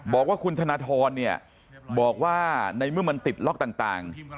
บอกว่าคุณธนทรเนี่ยบอกว่าในเมื่อมันติดล็อกต่าง